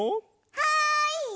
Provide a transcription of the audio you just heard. はい！